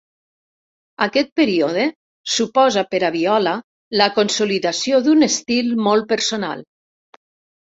Aquest període suposa per a Viola la consolidació d’un estil molt personal.